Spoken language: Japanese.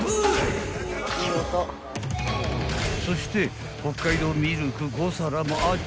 ［そして北海道ミルク５皿もあっ